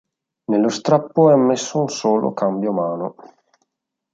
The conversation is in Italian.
Nello strappo è ammesso un solo cambio mano.